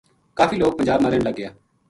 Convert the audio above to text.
کافی لوک پنجاب ما رہن لگ گیا